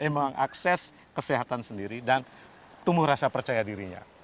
memang akses kesehatan sendiri dan tumbuh rasa percaya dirinya